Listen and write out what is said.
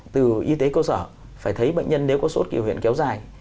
từ y tế cơ sở phải thấy bệnh nhân nếu có suốt kiểu hiện kéo dài